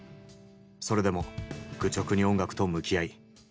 それでも愚直に音楽と向き合い